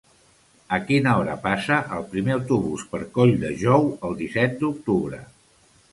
A quina hora passa el primer autobús per Colldejou el disset d'octubre?